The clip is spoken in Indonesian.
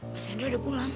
mbak sandra udah pulang